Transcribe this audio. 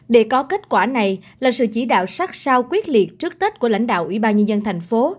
để có kết quả này là sự chỉ đạo sát sao quyết liệt trước tết của lãnh đạo ủy ban nhân dân thành phố